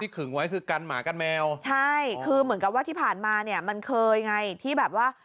ขึงไว้คือกันหมากันแมวใช่คือเหมือนกับว่าที่ผ่านมาเนี่ยมันเคยไงที่แบบว่า